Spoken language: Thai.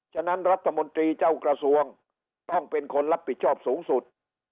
ฉะนั้นรัฐมนตรีเจ้ากระทรวงต้องเป็นคนรับผิดชอบสูงสุด